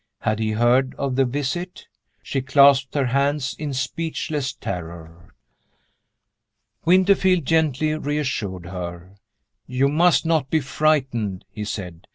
Had he heard of the visit? She clasped her hands in speechless terror. Winterfield gently reassured her. "You must not be frightened," he said.